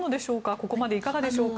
ここまでいかがでしょうか？